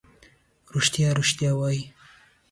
ریښتیا، ریښتیا وي.